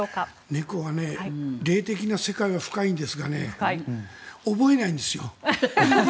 猫は霊的な世界は深いんですが覚えないんですよ。